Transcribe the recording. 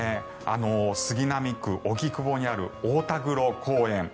杉並区荻窪にある大田黒公園